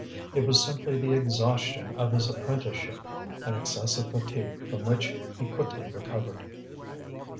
It was simply the exhaustion of his apprenticeship, an excess of fatigue from which he quickly recovered.